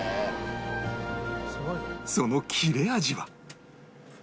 その切れ味は